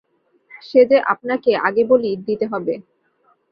সে যে আপনাকে আগে বলি দিতে হবে।